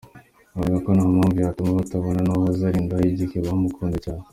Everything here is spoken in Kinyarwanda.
Bavuga ko nta mpamvu yatuma batabana n’uwahoze ari indaya igihe bamukunze cyane.